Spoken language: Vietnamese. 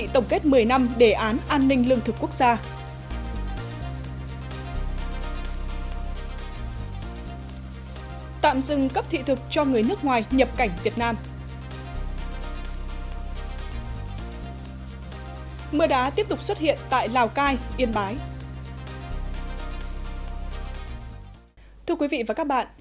thưa quý vị và các bạn